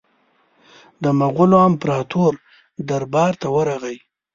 د مغول امپراطور دربار ته ورغی.